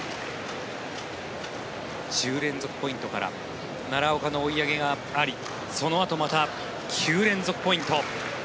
１０連続ポイントから奈良岡の追い上げがありそのあとまた９連続ポイント。